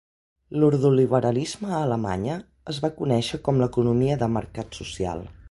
L'ordoliberalisme a Alemanya es va conèixer com l'economia de mercat social.